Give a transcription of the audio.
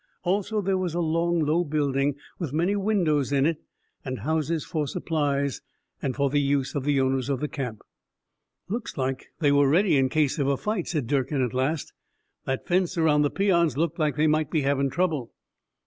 Also, there was a long, low building with many windows in it, and houses for supplies and for the use of the owners of the camp. "Looks like they were ready in case of a fight," said Durkin at last. "That fence around the peons looks like they might be havin' trouble."